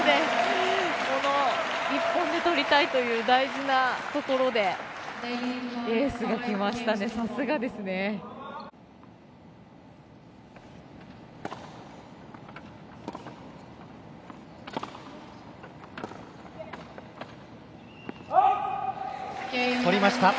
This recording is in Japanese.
この１本で取りたいという大事なところでエースがきましたね。